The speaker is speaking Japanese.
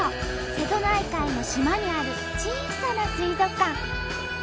瀬戸内海の島にある小さな水族館。